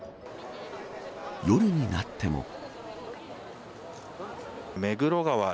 夜になっても。